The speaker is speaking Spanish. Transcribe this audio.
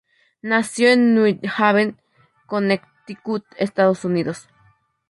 Nació en New Haven, Connecticut, Estados Unidos.